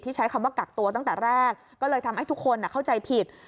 ใช้คำว่ากักตัวตั้งแต่แรกก็เลยทำให้ทุกคนเข้าใจผิด